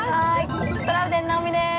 トラウデン直美です。